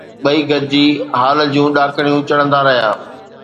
ٻئي گڏجي هال جون ڏاڪڻيون چڙهندا رهيا